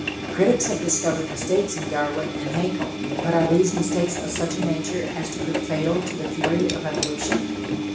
Critics have discovered mistakes in Darwin and Haeckel, but are these mistakes of such a nature as to prove fatal to the theory of evolution?